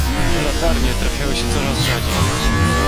"Latarnie trafiały się coraz rzadziej."